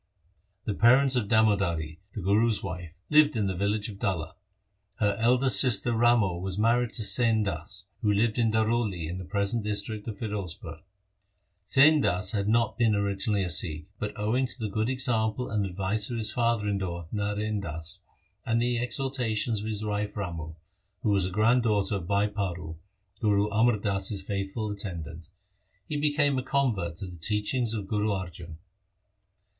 The parents of Damodari, the Guru's wife, lived in the village of Dalla. Her eldest sister Ramo was married to Sain Das, who lived in Daroli in the present district of Firozpur. Sain Das had not been origin ally a Sikh, but, owing to the good example and advice of his father in law Narain Das, and the ex hortations of his wife Ramo, who was a grand daughter of Bhai Paro, Guru Amar Das's faithful attendant, he became a convert to the teachings of Guru Arjan.